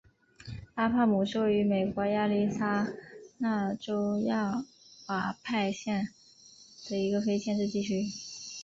拉帕姆是位于美国亚利桑那州亚瓦派县的一个非建制地区。